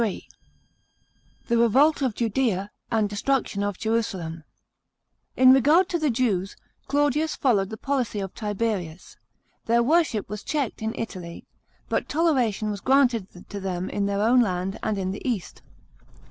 — THE REVOLT OF JUDEA AND DESTRUCTION OF JERUSALEM. § 16. In regard to the Jews, Claudius followed the policy of Tiberius. Their worship was checked in Italy ; but toleration was granted to them in their own land and in the east.